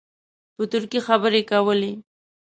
په ترکي خبرې کولې.